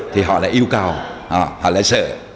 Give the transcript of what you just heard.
thì họ lại yêu cầu họ lại sợ